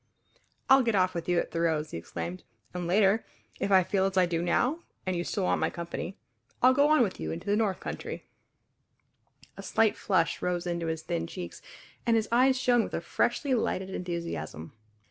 "I'll get off with you at Thoreau's," he exclaimed, "and later, if I feel as I do now, and you still want my company, I'll go on with you into the north country!" A slight flush rose into his thin cheeks and his eyes shone with a freshly lighted enthusiasm.